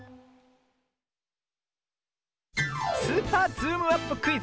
「スーパーズームアップクイズ」